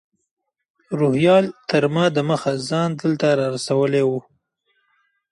روهیال تر ما دمخه ځان دلته رارسولی و.